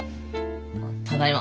ただいま。